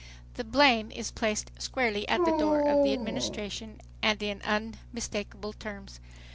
The blame is placed squarely at the door of the Administration, and in unmistakable terms.